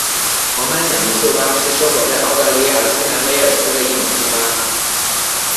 黄斑响铃树蛙是生活在澳大利亚新南威尔斯的一种青蛙。